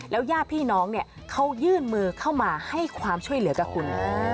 แล้วย่าพี่น้องเขายื่นมือเข้ามาให้ความช่วยเหลือกับคุณ